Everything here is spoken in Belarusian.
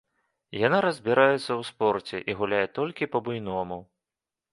Яна разбіраецца ў спорце і гуляе толькі па-буйному.